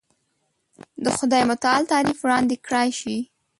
د خدای متعالي تعریف وړاندې کړای شي.